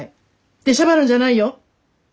出しゃばるんじゃないよ！